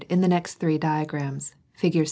in the next three diagrams, figs.